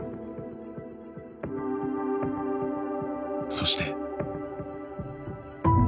そして。